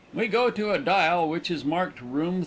We go to a dial which is marked Room 32.